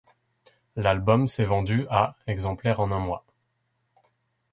L'album s'est vendu à exemplaires en un mois.